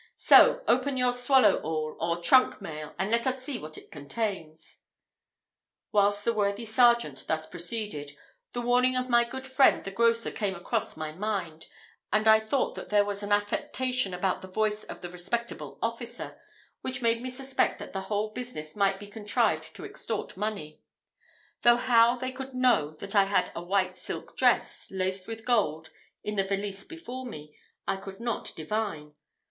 So open your swallow all, or trunk mail, and let us see what it contains." Whilst the worthy sergeant thus proceeded, the warning of my good friend the grocer came across my mind, and I thought that there was an affectation about the voice of the respectable officer, which made me suspect that the whole business might be contrived to extort money; though how they could know that I had a white silk dress, laced with gold, in the valise before me, I could not divine.